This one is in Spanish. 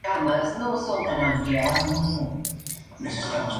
Durante este tiempo perteneció al Tejas Club y al Longhorn Band.